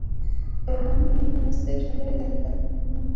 তখন রুস্তমের সন্দেহের তালিকা থেকে সম্ভাব্য অনেক পুরুষ মানুষ বেরিয়ে যায়।